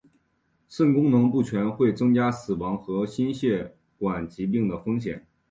肾功能不全会增加死亡和心血管疾病的风险。